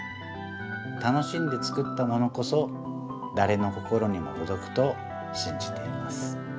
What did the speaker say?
楽しんで作ったものこそだれの心にもとどくとしんじています。